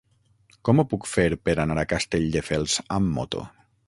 Com ho puc fer per anar a Castelldefels amb moto?